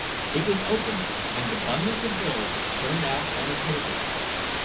It was opened, and the bundles of bills turned out on a table.